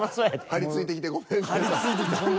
張り付いてきてごめんなさい。